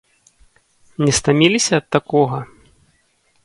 Не стаміліся ад такога?